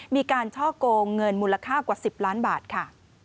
มีการช่อกงเงินมูลค่ากว่า๑๐ล้านบาทค่ะ